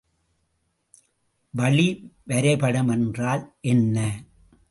வழிவரைபடம் என்றால் என்ன?